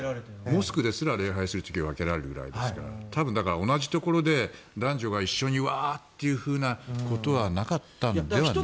モスクですら礼拝する時は分けられるくらいですから同じところで男女が一緒にワーッていうことはなかったんではないかと。